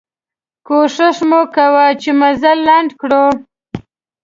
کوښښ مو کوه چې مزل لنډ کړو.